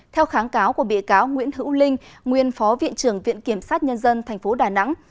theo kháng cáo của bị cáo nguyễn hữu linh nguyên phó viện trưởng viện kiểm sát nhân dân tp đà nẵng